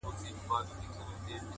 • تا به له زګېروي سره بوډۍ لکړه راولي -